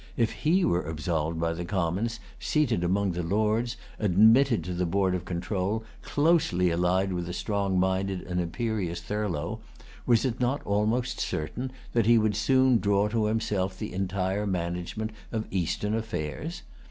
If he were absolved by the Commons, seated among the Lords, admitted to the Board of Control, closely allied with the strong minded and imperious Thurlow, was it not almost certain that he would soon draw to himself the entire management of Eastern affairs?